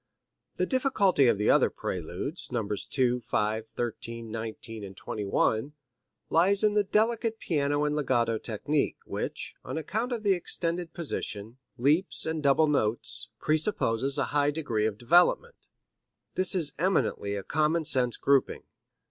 The difficulty of the other Preludes, Nos. 2, 5, 13, 19 and 21, lies in the delicate piano and legato technique, which, on account of the extended positions, leaps and double notes, presupposes a high degree of development. This is eminently a common sense grouping.